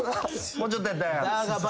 もうちょっとやったんや。